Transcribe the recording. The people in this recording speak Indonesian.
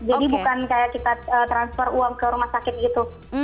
jadi bukan kayak kita transfer uang ke rumah sakit gitu